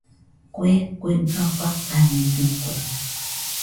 Kue kuega fakanidɨkue.